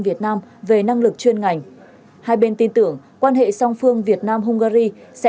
việt nam về năng lực chuyên ngành hai bên tin tưởng quan hệ song phương việt nam hungary sẽ